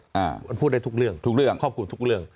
ช่วยได้ทุกเรื่องขอบคุณทุกเรื่อง